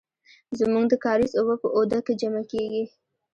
زمونږ د کاریز اوبه په آوده کې جمع کیږي.